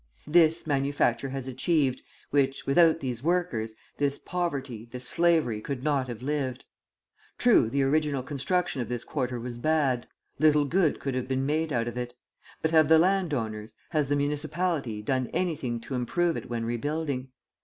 This manufacture has achieved, which, without these workers, this poverty, this slavery could not have lived. True, the original construction of this quarter was bad, little good could have been made out of it; but, have the landowners, has the municipality done anything to improve it when rebuilding?